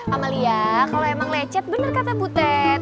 amalia kalau emang lecet bener kata butet